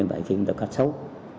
nên phải khiến người ta khách xấu